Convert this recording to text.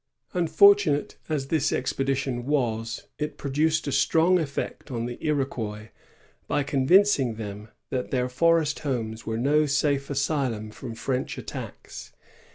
Unfortunate as this expedition was, it produced a strong effect on the Iroquois by conyincing them that their forest homes were no safe asylum from French attacks.